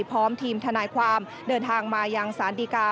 พร้อมทีมทนายความเดินทางมายังสารดีกา